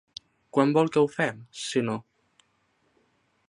Quan vol que ho fem, sinó?